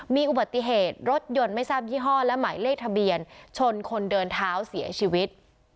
มีอุบัติเหตุรถยนต์ไม่ทราบยี่ห้อและหมายเลขทะเบียนชนคนเดินเท้าเสียชีวิต